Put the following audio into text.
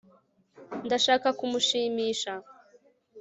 ndashaka kumushimisha